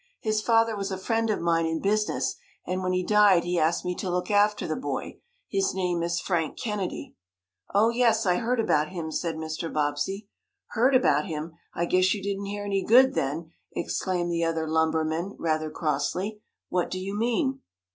His father was a friend of mine in business, and when he died he asked me to look after the boy. His name is Frank Kennedy." "Oh, yes, I heard about him," said Mr. Bobbsey. "Heard about him! I guess you didn't hear any good then!" exclaimed the other lumber man, rather crossly. "What do you mean?"